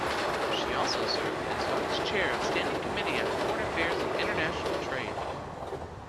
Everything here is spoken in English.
She also served as vice-chair of Standing Committee on Foreign Affairs and International Trade.